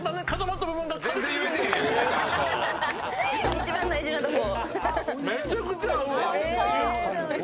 一番大事なとこ。